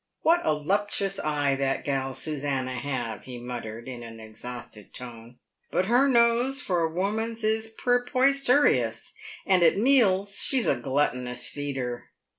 " What a luptious eye that gal Susannah have !" he muttered, in an exhausted tone. " But her nose for a woman's is perposterious, and at meals she's a gluttonous feeder."